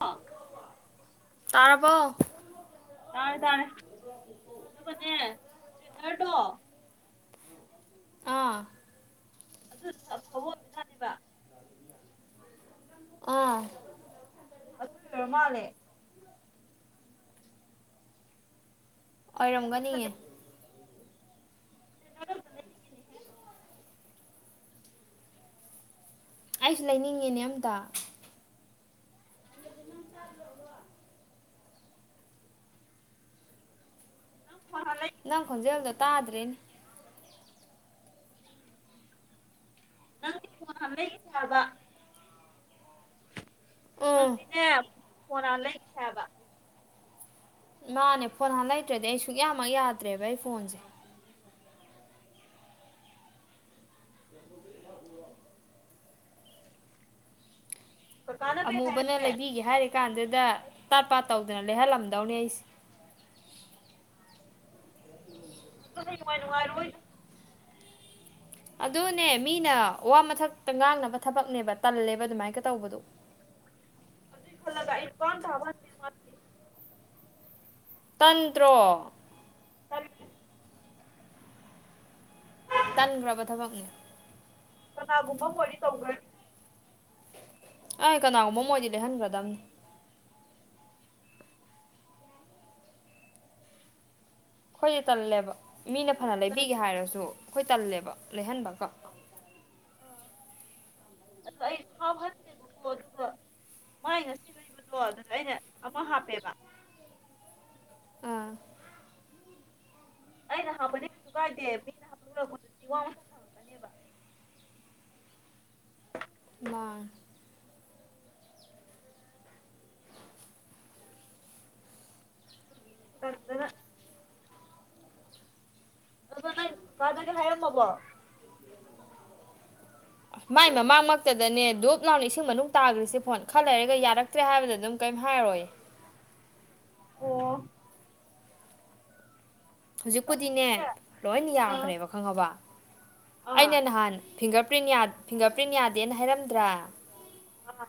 ꯑ ꯇꯥꯔꯕꯣ ꯇꯥꯥꯏꯔꯦ ꯇꯥꯏꯦ ꯑꯗꯨꯒꯅꯦ ꯏꯁꯇ꯭ꯔꯦꯠꯅꯔꯗꯣ ꯑꯥ ꯑꯗꯨꯗꯨꯁꯨ ꯑꯐꯕ ꯑꯣꯏꯔꯝꯕꯖꯥꯠꯅꯦꯕ ꯑꯥ ꯑꯗꯨꯏ ꯑꯣꯏꯔ ꯃꯥꯜꯂꯦ ꯑꯩ ꯏꯁꯇ꯭ꯔꯦꯠꯅꯔ ꯑꯝꯇ ꯑꯣꯏꯔꯝꯒꯅꯤꯌꯦ [unintelligible] ꯅꯔꯗꯣ ꯑꯝꯇ ꯂꯩꯅꯤꯡꯉꯤꯅꯦ ꯍꯦ ꯑꯩꯁꯨ ꯂꯩꯅꯤꯡꯉꯤꯅꯦ ꯑꯝꯇ ꯐꯍ ꯂꯩ ꯅꯪ ꯈꯣꯟꯖꯦꯜꯗꯣ ꯇꯥꯗ꯭ꯔꯦꯅꯦ ꯅꯪꯗꯤ ꯐꯣꯟ ꯍꯥꯟꯅ ꯂꯩꯒꯤꯁꯦ ꯍꯥꯏꯕ ꯎꯝ ꯅꯪꯗꯤꯅꯦ ꯐꯣꯟ ꯍꯥꯟꯅ ꯂꯩꯈꯤꯁꯦ ꯍꯥꯏꯕ ꯃꯥꯅꯦ ꯐꯣꯟ ꯍꯥꯟꯅ ꯂꯩꯇ꯭ꯔꯗꯤ ꯑꯩ ꯁꯨꯛꯌꯥ ꯃꯛ ꯌꯥꯗ꯭ꯔꯦꯕ ꯑꯩ ꯐꯣꯟꯁꯦ ꯀꯀꯥꯅ ꯀꯩ ꯑꯃꯨꯕꯅ ꯍꯥꯏꯔꯛꯀꯦ ꯂꯩꯕꯤꯒꯦ ꯍꯥꯏꯔꯤ ꯀꯥꯟꯗꯨꯗ ꯇꯥꯠ ꯄꯥꯠ ꯇꯧꯗꯅ ꯂꯩꯍꯜꯂꯝꯗꯧꯅꯦ ꯑꯩꯁꯦ ꯑꯗꯨ [unintelligible] ꯅꯨꯡꯉꯥꯏ ꯅꯨꯡꯉꯥꯏꯔꯣꯏ ꯑꯗꯨꯅꯦ ꯃꯤꯅ ꯋꯥ ꯃꯊꯛꯇ ꯉꯥꯡꯅꯕ ꯊꯕꯛꯅꯦꯕ ꯇꯜꯂꯦꯕ ꯑꯗꯨꯃꯥꯏꯅꯀ ꯇꯧꯕꯗꯣ ꯑꯗꯨ ꯈꯜꯂꯒ ꯑꯩ ꯂꯨꯄꯥ ꯑꯃꯇ ꯍꯥꯞꯍꯟꯗꯦ [unintelligible] ꯇꯟꯇ꯭ꯔ [inaudible] ꯇꯟꯈ꯭ꯔꯕ ꯊꯕꯛꯅꯦ ꯀꯅꯥꯒꯨꯝꯕ ꯑꯃ ꯑꯣꯏꯔꯗꯤ ꯇꯧꯒꯔꯥꯅꯤ ꯑꯩ ꯀꯅꯥꯒꯨꯝꯕ ꯑꯃ ꯑꯣꯏꯗꯤ ꯂꯩꯍꯟꯒ꯭ꯔꯗꯕꯅꯤ ꯑꯩꯈꯣꯏꯗꯤ ꯇꯜꯂꯦꯕ ꯃꯤꯅ ꯐꯅ ꯇꯜ ꯂꯩꯕꯤꯒꯦ ꯍꯥꯏꯔꯁꯨ ꯑꯩꯈꯣꯏ ꯇꯜꯂꯦꯕ ꯂꯩꯍꯟꯕꯒ [unintelligible] ꯃꯥꯏ ꯉꯁꯤ ꯂꯩꯕꯗꯣ ꯑꯗꯨꯗ ꯑꯩꯅ ꯑꯃ ꯍꯥꯞꯄꯦꯕ ꯑꯥ ꯑꯩꯅ ꯍꯥꯞꯄꯅꯤ ꯀꯩꯁꯨ ꯀꯥꯏꯗꯦ ꯃꯤꯅ ꯍꯥꯞꯄ ꯂꯔꯛꯄꯗꯨꯗꯤ ꯋꯥ ꯃꯊꯪ ꯊꯪꯉꯛꯀꯅꯦꯕ ꯃꯥꯅꯦ [unintelligible] ꯑꯗꯣ ꯅꯪ ꯀꯥꯀꯥꯗꯗꯤ ꯍꯥꯏꯔꯝꯃꯕꯣ ꯃꯥꯏ ꯃꯃꯥꯡꯃꯛꯇꯗꯅꯦ ꯗꯨꯞ ꯂꯥꯎꯅ ꯏꯁꯤꯡ ꯃꯅꯨꯡ ꯇꯥꯈ꯭ꯔꯤꯁꯦ ꯐꯣꯟ ꯈꯔ ꯂꯩꯔꯒ ꯌꯥꯔꯛ ꯇ꯭ꯔꯦ ꯍꯥꯏꯕꯗ ꯑꯗꯨꯝ ꯀꯩꯏꯝ ꯍꯥꯏꯔꯣꯏ ꯑꯣ ꯍꯧꯖꯤꯛꯄꯨꯗꯤꯅꯦ ꯑꯗꯨꯗꯤꯅꯦ ꯂꯣꯏꯅ ꯑ ꯌꯥꯈ꯭ꯔꯦꯕ ꯈꯪꯉꯕ ꯑꯥ ꯑꯩꯅ ꯅꯍꯥꯟ ꯐꯤꯡꯒꯔ ꯄ꯭ꯔꯤꯟ ꯌꯥꯗ ꯐꯤꯡꯒꯔ ꯄ꯭ꯔꯤꯟ ꯌꯥꯗꯦꯅ ꯍꯥꯏꯔꯝꯗ꯭ꯔꯥ ꯑꯥ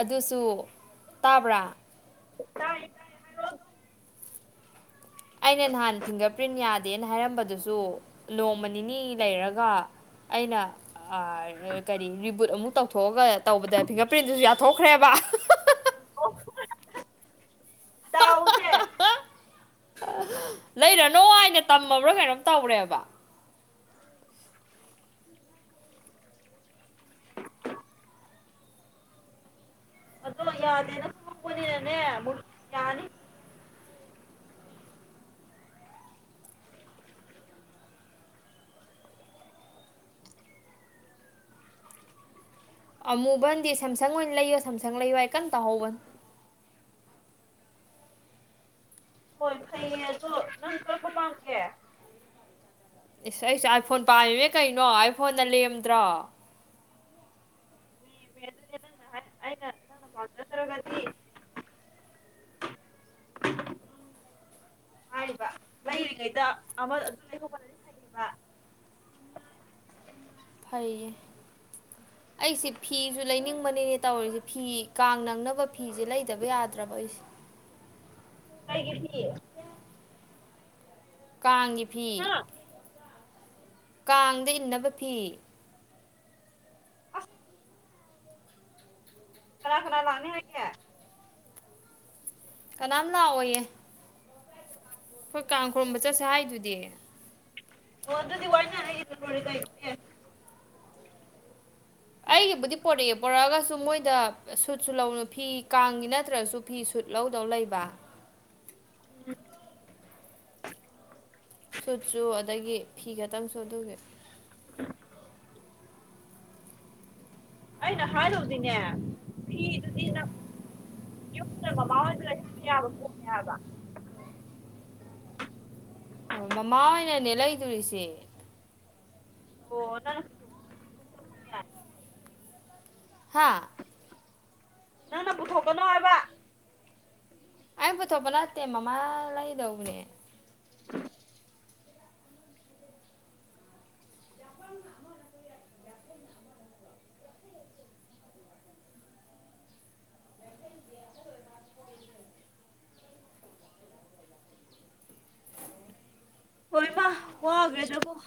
ꯑꯗꯨꯁꯨ ꯇꯥꯕ꯭ꯔꯥ ꯇꯥꯏ ꯇꯥꯏꯌꯦ ꯍꯥꯏꯔꯛꯑꯣ ꯑꯗꯨꯝ ꯑꯩꯅ ꯅꯍꯥꯟ ꯐꯤꯡꯒꯔ ꯄ꯭ꯔꯤꯟ ꯌꯥꯗꯦꯅ ꯍꯥꯏꯔꯝꯕꯗꯨꯁꯨ ꯅꯣꯡꯃ ꯅꯤꯅꯤ ꯂꯩꯔꯒ ꯑꯩꯅ ꯑꯥ ꯀꯔꯤ ꯔꯤꯕꯨꯠ ꯑꯃꯨꯛ ꯇꯧꯊꯣꯛꯑꯒ ꯇꯧꯕꯗ ꯐꯤꯡꯒꯔ ꯄ꯭ꯔꯤꯟꯗꯨꯨꯁꯨ ꯌꯥꯊꯣꯛꯈ꯭ꯔꯦꯕ [unintelligible] ꯗꯥꯎꯁꯦ ꯂꯩꯔꯅꯣ ꯍꯥꯏꯅ ꯇꯝꯃꯕ꯭ꯔꯥ ꯀꯩꯅꯣꯝ ꯇꯧꯔꯦꯕ ꯑꯗꯣ ꯌꯥꯗꯦꯅ ꯈꯪꯍꯧꯕꯅꯤꯅꯅꯦ ꯑꯃꯨꯛ ꯌꯥꯅꯤ ꯑꯃꯨꯕꯅꯗꯤ ꯁꯥꯝꯁꯪ ꯑꯣꯏꯅ ꯂꯩꯌꯣ ꯁꯥꯝꯁꯪ ꯂꯩꯌꯣ ꯍꯥꯏ ꯀꯟꯅ ꯇꯧꯍꯧꯕꯅꯤ ꯍꯣꯏ ꯐꯩꯌꯦ ꯑꯗꯣ ꯅꯪ ꯀꯔꯝꯕ ꯄꯥꯝꯒꯦ ꯏꯁꯁ ꯑꯩꯁꯦ ꯑꯥꯏꯐꯣꯟ ꯄꯥꯝꯃꯤꯃꯦ ꯀꯩꯅꯣ ꯑꯥꯏ ꯐꯣꯟꯗ ꯂꯦꯝꯗ꯭ꯔꯣ ꯂꯦꯝꯃꯦ ꯑꯗꯨꯅꯦ ꯅꯪꯅ ꯍꯥꯏ ꯑꯩꯅ ꯅꯪꯅ ꯄꯥꯝꯖꯗ꯭ꯔꯒꯗꯤ [unintelligible] ꯍꯥꯏꯔꯤꯕ ꯂꯩꯔꯤꯉꯩꯗ ꯑꯃ ꯑꯗꯨ ꯂꯩꯍꯧꯕꯅ ꯐꯩꯌꯦ [inaudible] ꯑꯩꯁꯦ ꯐꯤꯁꯨ ꯂꯩꯅꯤꯡꯕꯅꯤꯅꯦ ꯇꯧꯔꯤꯁꯦ ꯐꯤ ꯀꯥꯡ ꯅꯪꯅꯕ ꯐꯤꯁꯦ ꯂꯩꯗꯕ ꯌꯥꯗ꯭ꯔꯕ ꯑꯩꯁꯦ ꯀꯩꯒꯤ ꯐꯤ ꯀꯥꯡꯒꯤ ꯐꯤ ꯍꯥ ꯀꯥꯡꯗ ꯏꯟꯅꯕ ꯐꯤ ꯑꯁ ꯀꯅꯥ ꯀꯅꯥ ꯂꯥꯛꯅꯤ ꯍꯥꯏꯒꯦ ꯀꯅꯥꯝ ꯂꯥꯛꯑꯣꯏꯌꯦ ꯑꯈꯣꯏ ꯀꯥꯡ ꯈꯨꯔꯨꯝꯕ ꯆꯠꯁꯦ ꯍꯥꯏꯗꯨꯗꯤ ꯑꯣ ꯑꯗꯨꯗꯤ ꯋꯥꯏꯅꯔꯥ ꯏꯜꯂ ꯂꯣꯏꯔꯦ ꯀꯩꯅꯣ ꯑꯦ ꯑꯩꯒꯤꯕꯨꯗꯤ ꯄꯣꯔꯛꯑꯦ ꯄꯣꯔꯛꯑꯒꯁꯨ ꯃꯣꯏꯗ ꯁꯨꯠꯁꯨ ꯂꯧꯅ ꯐꯤ ꯀꯥꯡꯒꯤ ꯅꯠꯇ꯭ꯔꯁꯨ ꯐꯤ ꯁꯨꯠ ꯂꯧꯗꯧ ꯂꯩꯕ [unintelligible] ꯁꯨꯠꯁꯨ ꯑꯗꯒꯤ ꯐꯤ ꯈꯛꯇꯪꯁꯨ ꯑꯗꯨꯒꯤ [unintelligible] ꯑꯩꯅ ꯍꯥꯏꯗꯧꯗꯤꯅꯦ ꯐꯤꯗꯨꯗꯤ ꯅꯪ ꯌꯨꯝꯗ ꯃꯃꯥ ꯍꯣꯏꯗ ꯂꯩꯕ ꯌꯥꯕ ꯄꯣꯠꯅꯦ ꯍꯥꯏꯕ ꯍꯨꯃ ꯃꯃꯥ ꯍꯣꯏ ꯍꯣꯏꯅꯅꯦ ꯂꯩꯗꯣꯔꯤꯁꯦ ꯑꯣ ꯅꯪ ꯍꯥꯥ ꯅꯪꯅ ꯄꯨꯊꯣꯛꯀꯅꯣ ꯍꯥꯏꯕ ꯑꯩ ꯄꯨꯊꯣꯛꯄ ꯅꯠꯇꯦ ꯃꯃꯥ ꯂꯩꯗꯧꯕꯅꯦ ꯍꯣꯏꯃ ꯋꯥꯒ꯭ꯔꯦꯗꯀꯣ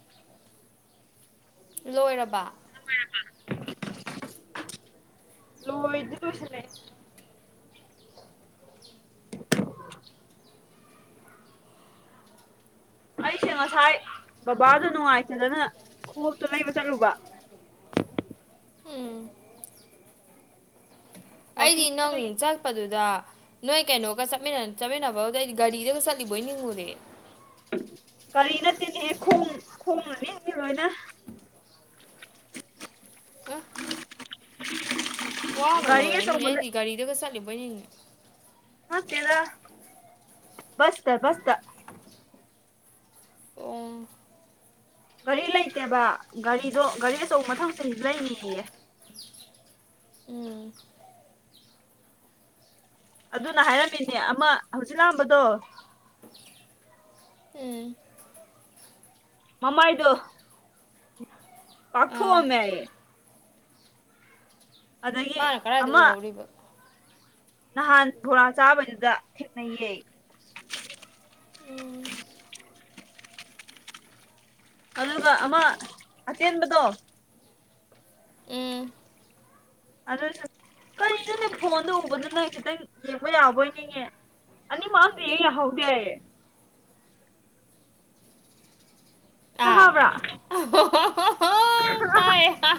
[unintelligible] ꯂꯣꯏꯔꯕꯥ [unintelligible] ꯂꯣꯏꯗꯤ ꯂꯣꯆꯁꯜꯂꯛꯑꯦ [unintelligible] ꯑꯩꯁꯦ ꯉꯁꯥꯏ ꯕꯕꯥꯗꯣ ꯅꯨꯡꯉꯥꯏꯇꯗꯅ ꯈꯣꯡꯎꯞꯇꯨ ꯂꯩꯕ ꯆꯠꯂꯨꯕ ꯎꯝ ꯑꯩꯗꯤ ꯋꯥꯛꯀꯤꯡ ꯆꯦꯟꯕꯒꯤ ꯅꯪ ꯆꯠ ꯆꯠꯄꯗꯨꯗ ꯅꯣꯏ ꯀꯩꯅꯣꯒ ꯆꯠꯃꯤ ꯆꯠꯃꯤꯟꯅꯕꯗꯗꯤ ꯒꯥꯔꯤꯗꯒ ꯆꯠꯂꯤꯕꯣꯏ ꯅꯤꯡꯉꯨꯔꯦ ꯀꯒꯥꯔꯤ ꯅꯠꯇꯦꯅꯦꯍꯦ ꯈꯣꯡ ꯈꯣꯡꯉꯅꯤ ꯂꯣꯏꯅ ꯑ ꯋꯥꯕ ꯒꯥꯔꯤ ꯂꯣꯏꯔꯅꯤ ꯑꯆꯧꯕ ꯑꯩꯗꯤ ꯒꯥꯔꯤꯗꯒ ꯆꯠꯂꯤꯕꯣꯏꯅꯤꯅꯦ ꯅꯇꯦꯗ ꯕꯁꯇ ꯕꯁꯇ ꯑꯣ ꯒꯥꯔꯤ ꯂꯩꯇꯦꯕ ꯒꯥꯔꯤꯗꯣ ꯒꯥꯔꯤ ꯑꯆꯧꯕ ꯃꯊꯪꯁꯤꯡ ꯂꯩꯅꯤꯌꯦ ꯎꯝ ꯑꯗꯨꯅ ꯍꯥꯏꯔꯝꯃꯤꯅꯦ ꯑꯃ ꯍꯧꯖꯤꯛ ꯂꯥꯛꯑꯝꯕꯗꯣ ꯎꯝ ꯃꯃꯥꯏꯗꯣ ꯑꯥ ꯄꯥꯛꯊꯣꯛꯑꯝꯃꯦ ꯑꯩ ꯑꯗꯒꯤ ꯃꯥꯅ ꯀꯗꯥꯏꯗ ꯑꯃ ꯎꯍꯧꯔꯤꯕ ꯅꯍꯥꯟ ꯕꯣꯔꯥ ꯆꯥꯕꯗꯨꯗ ꯊꯦꯡꯅꯩꯌꯦ ꯎꯝ ꯑꯗꯨꯒ ꯑꯃ ꯑꯇꯦꯟꯕꯗꯣ ꯎꯝ ꯑꯗꯨꯁꯨ ꯀꯔꯤꯅꯣꯅꯦ ꯐꯣꯟꯗ ꯎꯕꯗꯨꯅ ꯈꯤꯇꯪ ꯌꯦꯡꯕ ꯌꯥꯕ ꯑꯣꯏꯅꯤꯉ ꯑꯅꯤ ꯃꯛ ꯑꯝꯇ ꯍꯦꯛ ꯌꯥꯍꯧ ꯗꯦ ꯑ ꯇꯥꯕ꯭ꯔꯥ ꯍ ꯍ ꯍꯣ [unintelligible]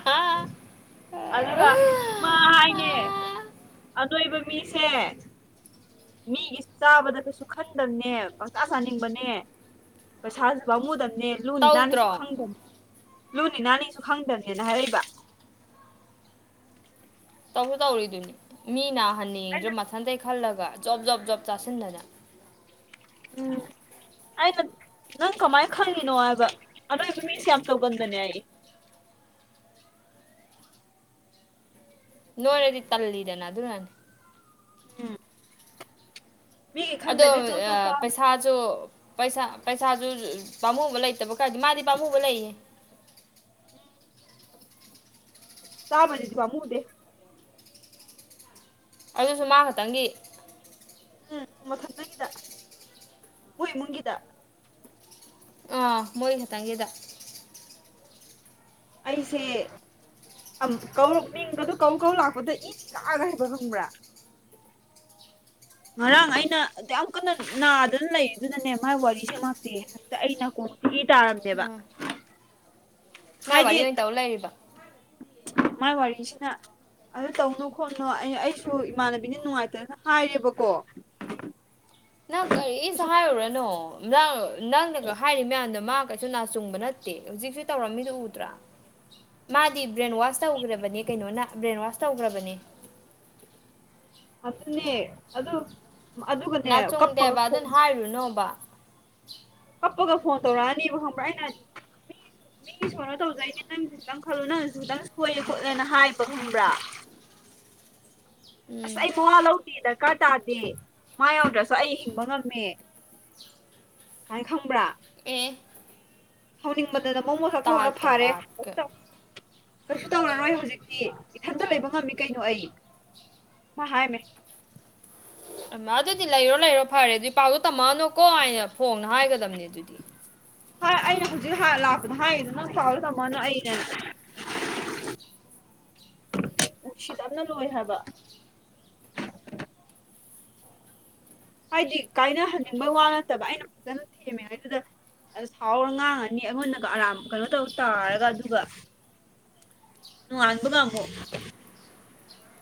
[inaudible] ꯑꯗꯨꯒ ꯃꯥ ꯍꯥꯏꯅꯦ ꯑꯅꯣꯏꯕ ꯃꯤꯁꯦ ꯃꯤꯒꯤꯁꯨ ꯆꯥꯕꯗ ꯀꯩꯁꯨ ꯈꯟꯗꯕꯅꯦ ꯄꯪꯆꯥꯥ ꯆꯥꯅꯤꯡꯕꯅꯦ ꯄꯩꯁꯥꯁꯨ ꯄꯥꯝꯃꯨꯗꯕꯅꯦ ꯂꯨ ꯅꯥꯅꯤꯁꯨ ꯇꯧꯗ꯭ꯔꯣ ꯈꯪꯗꯕꯅꯦ ꯂꯨ ꯅꯥꯅꯤꯁꯨ ꯈꯪꯗꯕꯅꯦꯅ ꯍꯥꯏꯔꯛꯏꯕ ꯇꯧꯁꯨ ꯇꯧꯔꯤꯗꯨꯅꯤ ꯃꯤ ꯍꯟꯅ ꯌꯦꯡꯗ꯭ꯔ ꯑꯩꯅ ꯃꯊꯟꯇꯩ ꯈꯜꯂꯒ ꯖꯣꯕ ꯖꯣꯕ ꯖꯣꯕ ꯆꯥꯁꯤꯟꯗꯅ ꯎꯝ ꯑꯩꯅ ꯅꯪ ꯀꯃꯥꯏꯅ ꯈꯪꯉꯤꯅꯣ ꯍꯥꯏꯕ ꯑꯔꯣꯏꯕ ꯃꯤꯁꯦ ꯌꯥꯝ ꯇꯧꯒꯟꯕꯅꯦ ꯑꯩ ꯅꯣꯏꯔꯗꯤ ꯇꯜꯂꯤꯗꯅ ꯑꯗꯨ ꯅꯅꯤ ꯎꯝ ꯃꯤꯒꯤ ꯑꯗꯣ ꯈꯟꯗꯅꯦ ꯆꯣ ꯆꯣ ꯆ ꯄꯩꯁꯥꯁꯨ ꯄꯩꯁꯥ ꯄꯩꯁꯥꯁꯨ ꯄꯥꯝꯃꯨꯕ ꯂꯩꯇꯕ ꯈꯔꯗꯤ ꯃꯥꯗꯤ ꯄꯥꯝꯃꯨꯕ ꯂꯩꯌꯦ ꯆꯥꯕꯩꯗꯤ ꯄꯥꯃꯨꯗꯦ ꯑꯗꯨꯁꯨ ꯃꯥ ꯈꯇꯪꯒꯤ ꯎꯝ ꯎꯝ ꯃꯊꯟꯗꯒꯤꯗ ꯍꯣꯏ ꯏꯃꯨꯡꯒꯤꯗ ꯑꯥ ꯃꯣꯏ ꯈꯇꯪꯒꯤꯗ ꯑꯩꯁꯦ ꯃꯤꯡꯒꯗꯣ ꯀ ꯀꯧ ꯂꯥꯛꯄꯗ ꯏꯁꯤ ꯀꯥꯑꯒ ꯍꯕ ꯈꯪꯕ꯭ꯔꯥ ꯉꯔꯥꯡ ꯑꯩꯅ ꯌꯥꯝ ꯀꯟꯅ ꯅꯥꯗꯅ ꯂꯩ ꯑꯗꯨꯅꯅꯦ ꯃꯥꯏ ꯋꯥꯔꯤꯁꯦ ꯉꯥꯛꯇꯤ ꯍꯦꯛꯇ ꯑꯩꯅ ꯀ ꯀꯤꯇꯔꯗꯕ ꯃꯥ ꯋꯥꯔꯤ ꯑꯣꯏ ꯇꯥꯎ ꯑꯣꯂꯥꯏꯔꯤꯕ ꯃꯥꯏ ꯋꯥꯔꯤꯁꯤꯅ ꯑꯗꯨ ꯇꯧꯅꯨ ꯈꯣꯠꯅꯨ ꯑꯩ ꯑꯩꯁꯨ ꯏꯃꯥꯟꯅꯕꯤꯅ ꯅꯨꯡꯉꯥꯏꯇꯗꯅ ꯍꯥꯏꯔꯦꯕꯀꯣ [unintelligible] ꯅꯪ ꯀꯔꯤꯁꯨ ꯀꯩꯁꯨ ꯈꯜꯂꯨ ꯍꯥꯏꯔꯨꯔꯅꯣ ꯅꯪ ꯅꯪꯅꯒ ꯍꯥꯏꯔꯤ ꯃꯌꯥꯝꯗꯣ ꯃꯥ ꯀꯩꯁꯨ ꯅꯥ ꯆꯨꯡꯕ ꯅꯠꯇꯦ ꯍꯧꯖꯤꯛꯁꯨ ꯇꯧꯔꯝꯃꯤꯗꯨ ꯎꯗ꯭ꯔꯥ ꯃꯥꯗꯤ ꯕ꯭ꯔꯦꯟꯋꯥꯁ ꯇꯧꯈ꯭ꯔꯕꯅꯤ ꯀꯩꯅꯣꯅ ꯕ꯭ꯔꯦꯟꯋꯥꯁ ꯇꯧꯈ꯭ꯔꯕꯅꯦ ꯑꯗꯨꯅꯦ ꯑꯗꯨ ꯑꯗꯨꯒꯅꯦ ꯀꯞꯄꯒ ꯍꯥꯏꯔꯨ ꯅꯨꯕ ꯀꯞꯄꯒ ꯐꯣꯟ ꯇꯧꯔꯅꯤꯕ ꯈ꯭ꯔ ꯃꯤꯒꯤ ꯁꯣꯅ ꯇꯧꯖꯩꯅꯦ ꯅꯪꯁꯨ ꯈꯤꯇꯪ ꯈꯜꯂꯨ ꯅꯪꯁꯨ ꯈꯤꯇꯪ ꯁꯣꯏꯌꯦ ꯈꯣꯠꯂꯦꯅ ꯍꯥꯏꯕ ꯈꯪꯕ꯭ꯔꯥ ꯑꯁ ꯎꯝ ꯑꯩ ꯄꯋꯥ ꯂꯧꯗꯦ ꯗꯔꯀꯥꯔ ꯇꯥꯗꯦ ꯃꯥ ꯌꯧꯗ꯭ꯔꯁꯨ ꯑꯩ ꯍꯤꯡꯕ ꯉꯝꯃꯦ ꯀꯥꯏꯅ ꯈꯪꯕ꯭ꯔꯥ ꯑꯦ ꯍꯥꯎꯅꯤꯡꯃꯟꯗꯅ ꯃꯣ ꯃꯣ ꯆꯥꯊꯣꯛꯑꯔ ꯇꯥꯠꯀ ꯐꯥꯔꯦ ꯄꯥꯠꯀ ꯀꯩꯁꯨ ꯇꯧꯔꯔꯣꯏ ꯍꯧꯖꯤꯛꯇꯤ ꯏꯊꯟꯇ ꯂꯩꯕ ꯉꯝꯃꯤ ꯀꯩꯅꯣ ꯑꯩ ꯃꯥ ꯍꯥꯏ ꯃꯦ ꯑꯩꯃꯥ ꯑꯗꯨꯗꯤ ꯂꯩꯔꯣ ꯂꯩꯔꯣ ꯐꯔꯦ ꯑꯗꯨꯗꯤ ꯄꯥꯛꯗꯣ ꯇꯝꯃꯛꯑꯅꯨꯀꯣ ꯍꯥꯏꯅ ꯐꯣꯡꯅ ꯍꯥꯏꯒꯗꯕꯅꯦ ꯑꯗꯨꯗꯤ ꯍꯥꯏ ꯑꯩꯅ ꯍꯧꯖꯤꯛ ꯍꯥꯟꯅ ꯂꯥꯛꯄꯗ ꯍꯥꯏꯔꯤꯗꯣ ꯅꯪ ꯄꯥꯎꯗꯣ ꯇꯝꯃꯛꯑꯅꯨ ꯑꯩꯅꯦ ꯅꯨꯡꯁꯤꯗꯝꯅ ꯂꯣꯏꯔꯦ ꯍꯥꯏꯕ ꯍꯥꯏꯗꯤ ꯀꯥꯏꯅꯍꯟꯅꯤꯡꯕꯩ ꯋꯥ ꯅꯠꯇꯕ ꯑꯩꯅ ꯐꯖꯅ ꯊꯦꯝꯃꯤꯉꯩꯗꯨꯗ ꯑꯁ ꯍꯥꯎꯔ ꯉꯥꯡꯉꯅꯤ ꯑꯩꯉꯣꯟꯗꯒ ꯑꯔꯥꯝ ꯀꯩꯅꯣ ꯇꯧ ꯇꯥꯔꯒ ꯑꯗꯨꯒ ꯅꯣꯡꯉꯥꯟꯕꯒꯥ ꯑꯃꯨꯛ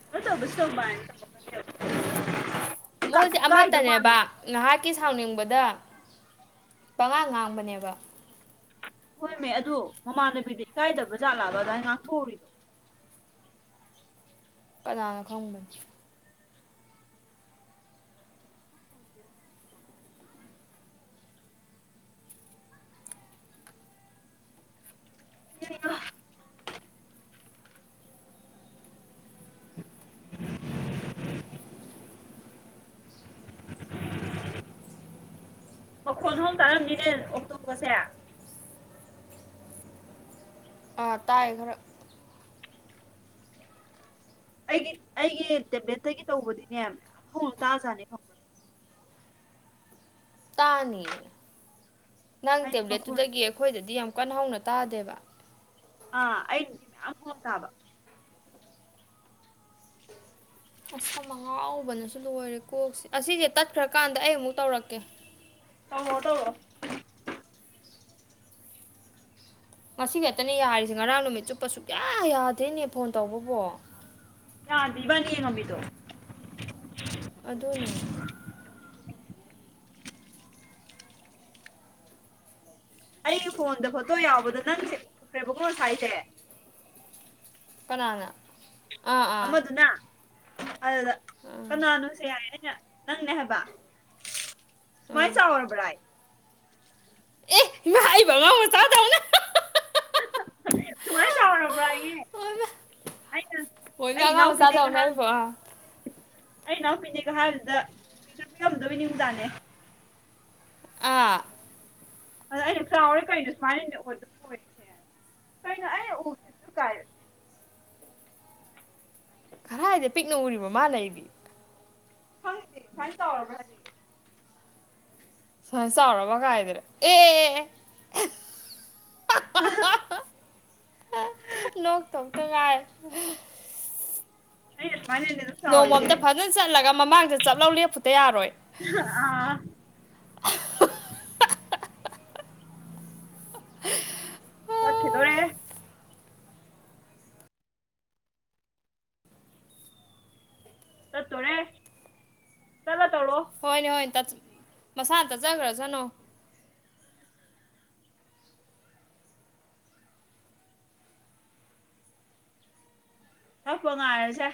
[unintelligible] ꯃꯣꯏꯁꯦ ꯏꯀꯥꯏꯗ ꯑꯃꯠꯇꯅꯦꯕ ꯃꯥꯜꯂꯦ ꯉꯍꯥꯛꯀꯤ ꯁꯥꯎꯅꯤꯡꯕꯗ ꯄꯉꯥꯡ ꯉꯥꯡꯕꯅꯦꯕ ꯍꯣꯏꯃꯦ ꯑꯗꯣ ꯃꯃꯥꯟꯅꯕꯤꯗ ꯏꯀꯥꯏꯗꯕ ꯖꯥꯠꯂꯥꯑꯕ ꯑꯗꯥꯏꯟ ꯉꯥꯛꯊꯣꯛꯎꯔꯤꯗꯣ ꯀꯅꯥꯅ ꯈꯪꯕꯅꯣ [unintelligible] ꯃꯈꯣꯟ ꯍꯧ ꯇꯥꯔꯝꯅꯤꯅꯦ ꯑꯣꯛꯇꯣꯕꯔꯁꯦ ꯑꯥ ꯇꯥꯏ ꯈꯔ ꯑꯩꯒꯤ ꯑꯩꯒꯤ ꯇꯦꯕ꯭ꯂꯦꯠꯇꯒꯤ ꯇꯧꯕꯗꯤꯅꯦ ꯌꯥꯝ ꯍꯧꯅ ꯇꯥꯖꯥꯅꯤ ꯈꯪꯕ꯭ꯔꯥ ꯇꯥꯅꯤꯌꯦ ꯅꯪ ꯍꯥꯏꯗꯤ ꯃꯈꯣꯟ ꯇꯦꯕ꯭ꯂꯦꯠꯇꯨꯗꯒꯤ ꯑꯩꯈꯣꯏꯗꯗꯤ ꯌꯥꯝ ꯀꯟꯅ ꯍꯧꯅ ꯇꯥꯗꯦꯕ ꯑꯥ ꯑꯩ ꯕꯨꯗꯤ ꯃꯌꯥꯝ ꯍꯧꯅ ꯇꯥꯕ ꯑꯁꯝ ꯑꯉꯥꯎꯕꯅꯁꯨ ꯂꯣꯏꯔꯦ ꯀꯣꯛꯁꯦ ꯑꯁꯤꯖꯦ ꯇꯠꯈ꯭ꯔꯀꯥꯟꯗ ꯑꯩ ꯑꯃꯨꯛ ꯇꯧꯔꯛꯀꯦ ꯇꯧꯔꯣ ꯇꯧꯔꯣ ꯉꯁꯤ ꯈꯦꯛꯇꯅꯦ ꯌꯥꯔꯤꯁꯦ ꯉꯔꯥꯡ ꯅꯨꯃꯤꯠ ꯆꯨꯞꯄꯁꯨꯨꯛꯌꯥ ꯌꯥꯗꯦꯅꯦ ꯐꯣꯟ ꯇꯧꯕꯕꯣ ꯌꯥꯗꯤ ꯏꯕꯅꯤ ꯌꯦꯡꯉꯝꯃꯤꯗꯣ ꯑꯗꯨꯅꯦ ꯑꯩꯒꯤ ꯐꯣꯟꯗ ꯐꯣꯇꯣ ꯌꯥꯎꯕꯗꯣ ꯅꯪꯁꯦ [unintelligible] ꯉꯁꯥꯏꯖꯦ ꯀꯅꯥꯅ ꯑꯥ ꯑꯥ ꯑꯃꯗꯨꯅ ꯑꯗꯨꯗ ꯑꯥ ꯀꯅꯥꯅꯣꯁꯦ ꯍꯥꯏ ꯑꯩꯅ ꯅꯪꯅꯦ ꯍꯥꯏꯕ ꯁꯨꯃꯥꯏ ꯑꯥ ꯆꯥꯎꯔꯕ꯭ꯔꯥꯌꯦ ꯑꯦ ꯏꯃꯥ ꯑꯩꯕꯨ ꯑꯉꯥꯡ ꯃꯆꯥꯗꯧꯅ ꯁꯨꯃꯥꯏꯅ ꯆꯥꯎꯔꯕ꯭ꯔꯥ ꯑꯌꯦ ꯑꯩꯅ ꯃꯣꯏꯅ ꯑꯩ ꯑꯉꯥꯡ ꯏꯅꯥꯎ ꯄꯤꯅꯦꯒꯥ ꯃꯆꯥꯗꯧꯅ ꯍꯥꯏ ꯑꯩꯕꯨ ꯑꯥ ꯑꯩ ꯏꯅꯥꯎꯄꯤꯅꯦꯒꯥ ꯍꯥꯏꯕꯗꯨꯗ ꯄꯤꯇꯨ ꯄꯤꯛꯑꯝꯗꯣꯏ ꯅꯤꯡꯖꯥꯅꯦ ꯑꯥ ꯑꯗ ꯑꯩꯅ ꯆꯥꯎꯔꯦ ꯀꯔꯤꯗꯣ ꯁꯨꯃꯥꯏꯅꯅꯦ ꯑꯗꯨꯝ ꯑꯣꯏꯔꯤꯁꯦ ꯀꯩꯅꯣ ꯑꯩ ꯎꯁꯤꯁꯨ ꯀꯥꯏ ꯀꯔꯥꯏꯗꯥ ꯄꯤꯛꯅ ꯎꯔꯤꯕ ꯃꯥꯅ ꯑꯩꯗꯤ ꯈꯪꯗꯦ ꯁꯨꯃꯥꯏꯟ ꯆꯥꯎꯔꯕ ꯍꯥꯏꯔꯦ ꯁꯨꯃꯥꯏꯟ ꯆꯥꯎꯔꯕ ꯀꯥꯏꯗꯅ ꯑꯦ ꯑꯦ ꯑꯦ [unintelligible] ꯅꯣꯛꯇꯧꯇꯥ ꯉꯥꯏꯔꯦ ꯑꯩ ꯑꯗꯨꯃꯥꯏꯟ [unintelligible] ꯅꯣꯡꯃꯥ ꯑꯝꯇꯥ ꯐꯖꯅ ꯆꯠꯂꯒ ꯃꯃꯥꯡꯗ ꯆꯞ ꯂꯥꯎ ꯂꯦꯞꯄꯨꯗꯥ ꯌꯥꯔꯣꯏ ꯑꯥ [inaudible] ꯇꯠꯈꯤꯗꯣꯔꯦꯍꯦ ꯆꯠꯇꯣꯔꯦ ꯇꯠꯂꯥ ꯇꯧꯔꯣ ꯍꯣꯏꯅꯦ ꯍꯣꯏ ꯃꯁꯥꯅ ꯇꯠꯆꯈ꯭ꯔꯖꯅꯨ ꯇꯠꯄ ꯉꯥꯏꯔꯁꯦ